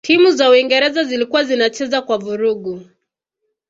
timu za uingereza zilikuwa zinacheza kwa vurugu